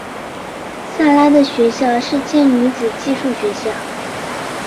莎拉的学校是间女子寄宿学校。